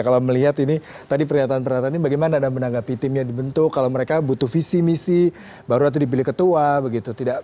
kalau melihat ini tadi pernyataan pernyataan ini bagaimana anda menanggapi tim yang dibentuk kalau mereka butuh visi misi baru nanti dipilih ketua begitu